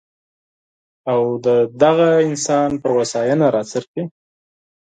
او د همدې انسان پر هوساینه راڅرخي.